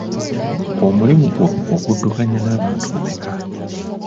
Omulimu gwo oguddukanya n'abantu bameka?